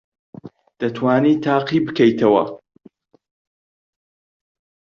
دەتوانیت تاقی بکەیتەوە؟